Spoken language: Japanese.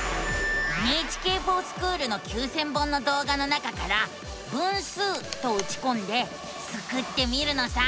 「ＮＨＫｆｏｒＳｃｈｏｏｌ」の９，０００本の動画の中から「分数」とうちこんでスクってみるのさ！